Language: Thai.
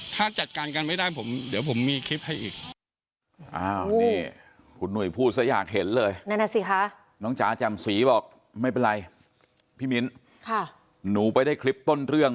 ถ้าจัดการกันไม่ได้ผมเดี๋ยวผมมีคลิปให้อีก